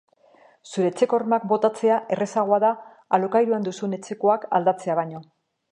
Zure etxeko hormak botatzea errazagoa da, alokairuan duzun etxekoak aldatzea baino.